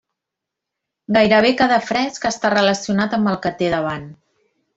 Gairebé cada fresc està relacionat amb el que té davant.